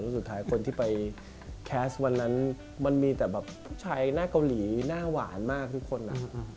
สุดท้ายคนที่ไปแคสต์วันนั้นมันมีแต่แบบผู้ชายหน้าเกาหลีหน้าหวานมากทุกคน